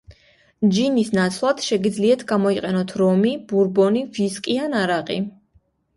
ჯინის ნაცვლად შეგიძლიათ გამოიყენოთ რომი, ბურბონი, ვისკი ან არაყი.